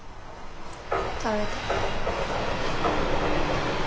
食べた。